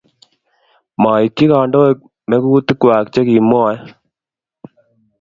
Maityi kandoik mekutikwak che kimwou